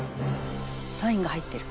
「サインが入ってる」